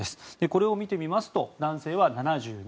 これを見てみますと男性は７２．６８